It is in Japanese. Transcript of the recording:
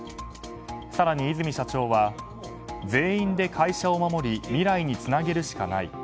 更に和泉社長は全員で会社を守り未来につなげるしかない。